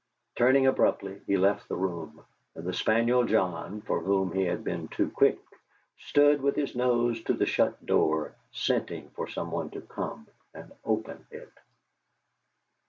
Turning abruptly, he left the room, and the spaniel John, for whom he had been too quick, stood with his nose to the shut door, scenting for someone to come and open it.